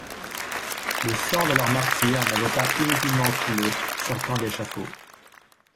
Le sang de leurs martyrs n'avait pas inutilement coulé sur tant d'échafauds.